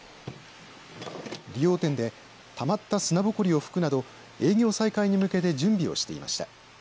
理容店でたまった砂ぼこりを拭くなど営業再開に向けて準備をしていました。